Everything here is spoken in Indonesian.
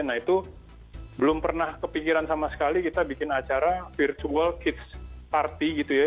nah itu belum pernah kepikiran sama sekali kita bikin acara virtual kids party gitu ya